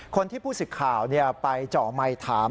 คนที่ผู้สึกข่าวไปเจาะใหม่ถาม